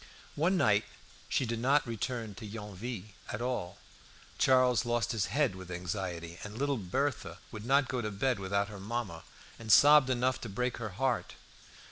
One night she did not return to Yonville at all. Charles lost his head with anxiety, and little Berthe would not go to bed without her mamma, and sobbed enough to break her heart.